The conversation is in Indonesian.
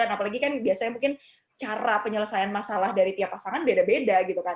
apalagi kan biasanya mungkin cara penyelesaian masalah dari tiap pasangan beda beda gitu kan